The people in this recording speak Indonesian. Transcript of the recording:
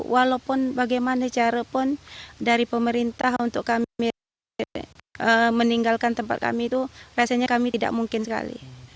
walaupun bagaimana carapun dari pemerintah untuk kami meninggalkan tempat kami itu rasanya kami tidak mungkin sekali